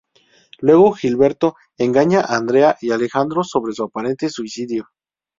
Luego Gilberto engaña a Andrea y a Alejandro sobre un aparente suicidio.